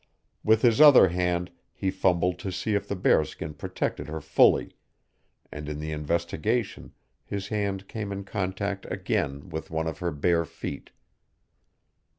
With his other hand he fumbled to see if the bearskin protected her fully, and in the investigation his hand came in contact again with one of her bare feet.